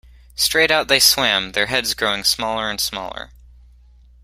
Straight out they swam, their heads growing smaller and smaller.